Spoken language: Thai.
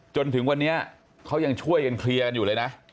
จนถึงวันนี้เขายังช่วยกันเคลียร์กันอยู่เลยนะ